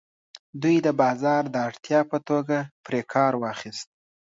دوی د بازار د اړتیا په توګه پرې کار واخیست.